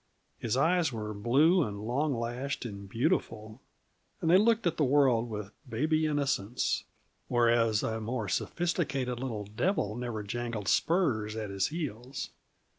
His eyes were blue and long lashed and beautiful, and they looked at the world with baby innocence whereas a more sophisticated little devil never jangled spurs at his heels.